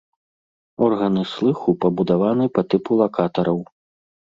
Органы слыху пабудаваны па тыпу лакатараў.